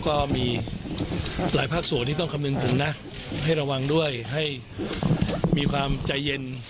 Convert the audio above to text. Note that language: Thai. ก็มีหลายภาคส่วนที่ต้องคำนึงถึงนะให้ระวังด้วยให้มีความใจเย็น